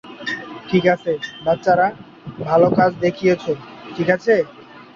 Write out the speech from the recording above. ঠিক আছে - বাচ্চারা - ভাল কাজ দেখিয়েছো, ঠিক আছে?